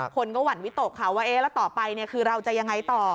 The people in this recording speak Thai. คนก็หวั่นวิตกค่ะว่าเอ๊ะแล้วต่อไปคือเราจะยังไงต่อ